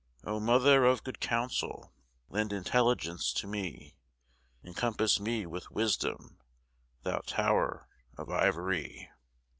O Mother of Good Counsel, lend Intelligence to me! Encompass me with wisdom, Thou Tower of Ivory!